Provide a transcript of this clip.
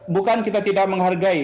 bukan kita tidak menghargai